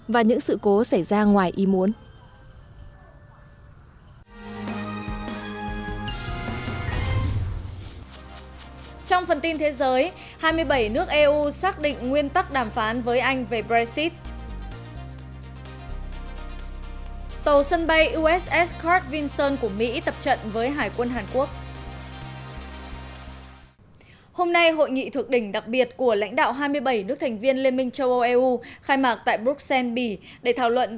và những sự cố xảy ra ngoài ý muốn